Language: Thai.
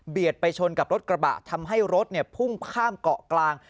ไปชนกับรถกระบะทำให้รถพุ่งข้ามเกาะกลาง